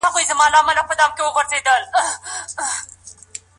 وخت ضايع کوونکي شيان مه خپروئ.